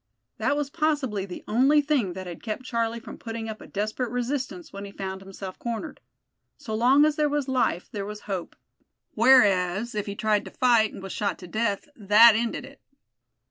That was possibly the only thing that had kept Charlie from putting up a desperate resistance when he found himself cornered. So long as there was life there was hope; whereas, if he tried to fight, and was shot to death, that ended it.